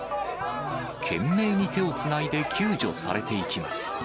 懸命に手をつないで救助されていきます。